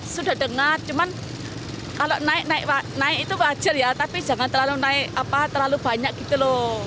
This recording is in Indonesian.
sudah dengar cuman kalau naik naik itu wajar ya tapi jangan terlalu naik terlalu banyak gitu loh